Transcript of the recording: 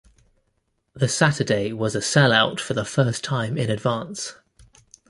The Saturday was a sell out for the first time in advance.